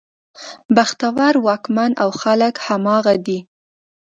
بختور واکمن او خلک همغه دي.